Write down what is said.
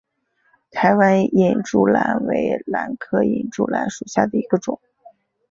台湾隐柱兰为兰科隐柱兰属下的一个变种。